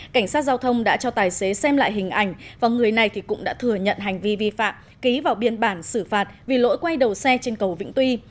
cảnh sát giao thông đã cho tài xế xem lại hình ảnh và người này cũng đã thừa nhận hành vi vi phạm ký vào biên bản xử phạt vì lỗi quay đầu xe trên cầu vĩnh tuy